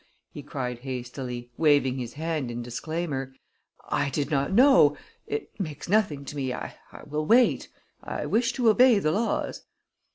he cried hastily, waving his hand in disclaimer. "I did not know it makes nothing to me I will wait I wish to obey the laws."